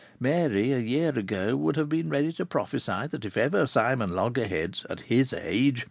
Mary, a year ago, would have been ready to prophesy that if ever Simon Loggerheads at his age!